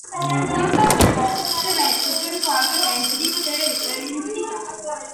Nonostante ciò, temette per qualche tempo di poter essere identificato.